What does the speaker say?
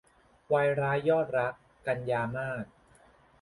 วายร้ายยอดรัก - กันยามาส